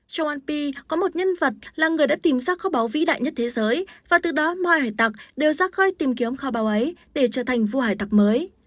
trong một p có một nhân vật là người đã tìm ra kho báo vĩ đại nhất thế giới và từ đó mọi hải tạc đều ra khơi tìm kiếm kho báo ấy để trở thành vua hải tạc mới